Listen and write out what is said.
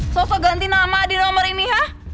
sosok ganti nama di nomor ini ya